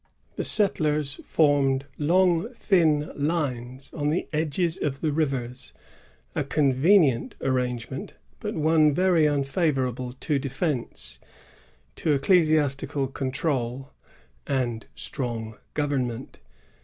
The settlements formed long thin lines on the edges of the rivers, — a convenient arrangement, but one very unfavorable to defence, to ecclesiastical control, and to strong government.